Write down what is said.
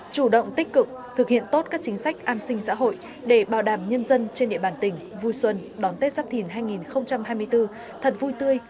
chủ động tích cực thực hiện tốt các chính sách an sinh xã hội để bảo đảm nhân dân trên địa bàn tỉnh vui xuân đón tết giáp thìn hai nghìn hai mươi bốn thật vui tươi